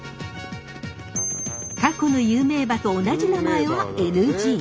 過去の有名馬と同じ名前はＮＧ。